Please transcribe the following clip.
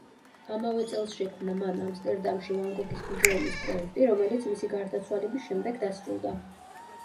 ამავე წელს შექმნა მან ამსტერდამში ვან გოგის მუზეუმის პროექტი, რომელიც მისი გარდაცვალების შემდეგ დასრულდა.